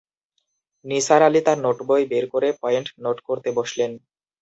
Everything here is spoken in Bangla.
নিসার আলি তাঁর নোটবই বের করে পয়েন্ট নোট করতে বসলেন।